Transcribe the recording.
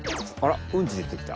うんちでてきた！